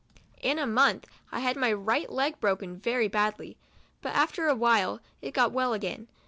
In a month I had my right leg broken very badly, but after a while it got well again.